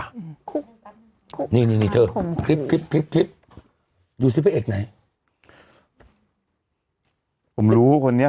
คุกนี่นี่นี่เธอคลิปคลิปคลิปคลิปยูซิเฟ่อเอกไหนผมรู้คนนี้